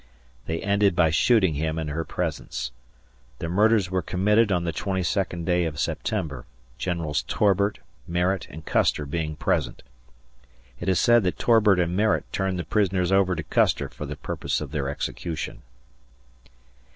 They ended by shooting him in her presence. The murders were committed on the 22nd day of September, Generals Torbert, Merritt, and Custer being present. It is said that Torbert and Merritt turned the prisoners over to Custer for the purpose of their execution.